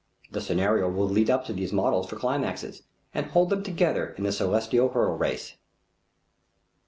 The scenario will lead up to these models for climaxes and hold them together in the celestial hurdle race.